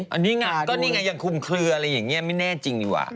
ก็นี่แหงะยังคลุมเคลืออะไรอย่างนี้ไม่แน่จริงดีกว่า